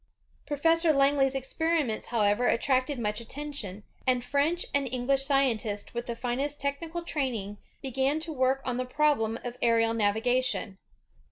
Professor Langley's e:q)eriments, however, attracted much attention, and French and English scientists with the flnest technical training began to work on the problem of aerial navigation.